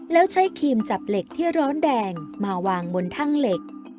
แล้วใช้ครีมจับเหล็กที่ร้อนแดงมาวางบนแท่งเหล็ก